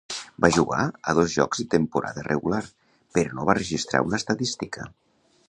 Va jugar a dos jocs de temporada regular, però no va registrar una estadística.